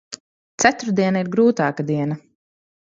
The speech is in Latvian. Ceturtdiena ir grūtāka diena.